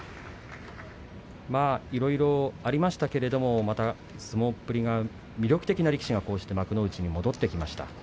いろいろありましたけれどまた相撲っぷりが魅力的な力士が幕内に戻ってきました。